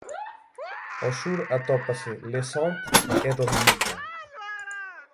Ao sur atópase Les Saintes e Dominica.